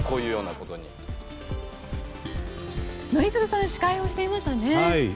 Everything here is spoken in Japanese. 宜嗣さん司会をしていましたね。